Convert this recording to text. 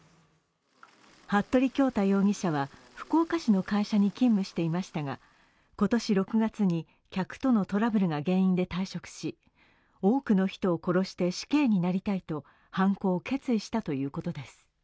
服部恭太容疑者は福岡市の会社に勤務していましたが、今年６月に客とのトラブルが原因で退職し、多くの人を殺して死刑になりたいと犯行を決意したということです。